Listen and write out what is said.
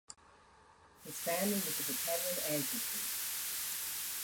His family was of Italian ancestry.